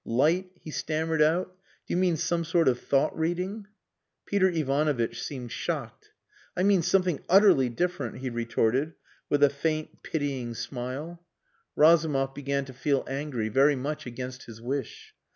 Light," he stammered out. "Do you mean some sort of thought reading?" Peter Ivanovitch seemed shocked. "I mean something utterly different," he retorted, with a faint, pitying smile. Razumov began to feel angry, very much against his wish.